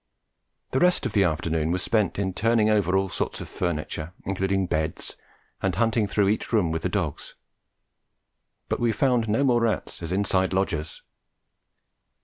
The rest of the afternoon was spent in turning over all sorts of furniture, including beds, and hunting through each room with the dogs; but we found no more rats as inside lodgers.